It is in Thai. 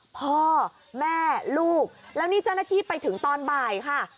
พ่อแม่ลูกแล้วนี่เจ้าหน้าที่ไปถึงตอนบ่ายค่ะ